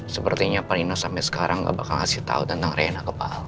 sepertinya pak nino sampai sekarang gak bakal ngasih tau tentang rena ke pak al